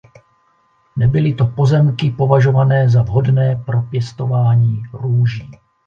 Nebyly to pozemky považované za vhodné pro pěstování růží.